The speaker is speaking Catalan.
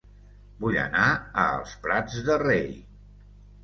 Vull anar a Els Prats de Rei